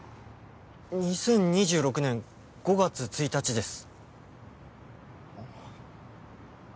２０２６年５月１日です